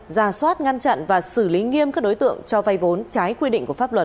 ra soát ngăn chặn và xử lý nghiêm các đối tượng cho vay vốn trái quy định của pháp luật